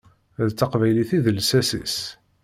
D taqbaylit i d lsas-is.